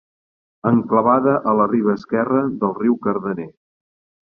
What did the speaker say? Enclavada a la riba esquerra del riu Cardener.